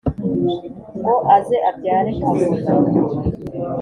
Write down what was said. ngo aze abyare kavuna.